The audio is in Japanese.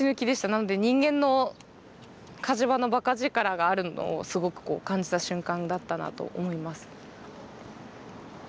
なんで人間の火事場の馬鹿力があるのをすごく感じた瞬間だったなと思います。